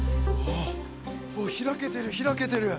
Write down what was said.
お開けてる開けてる。